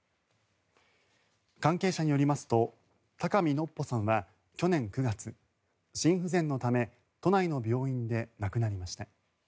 関係者によりますと高見のっぽさんは去年９月心不全のため都内の病院で亡くなりました。